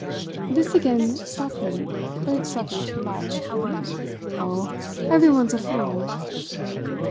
This again struck me, but it struck me too much. "Oh, everyone's a fool!"